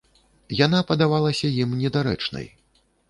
Яна падавалася ім недарэчнай.